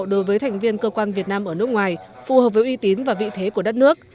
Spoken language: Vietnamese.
đối với thành viên cơ quan việt nam ở nước ngoài phù hợp với uy tín và vị thế của đất nước